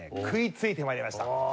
食いついて参りました。